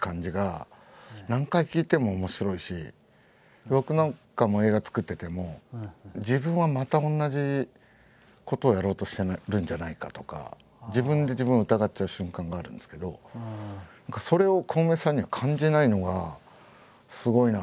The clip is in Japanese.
それが僕なんかも映画作ってても自分はまた同じことをやろうとしてるんじゃないかとか自分で自分を疑っちゃう瞬間があるんですけどそれをコウメさんには感じないのがすごいなっていつも思うし。